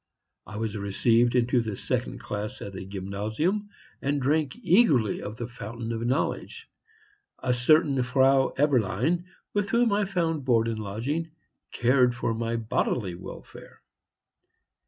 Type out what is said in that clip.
I was received into the second class at the gymnasium, and drank eagerly of the fountain of knowledge; a certain Frau Eberlein, with whom I found board and lodging, cared for my bodily welfare.